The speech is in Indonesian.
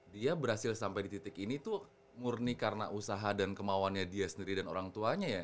dia berhasil sampai di titik ini tuh murni karena usaha dan kemauannya dia sendiri dan orang tuanya ya